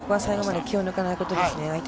ここは最後まで気を抜かないことですね、相手。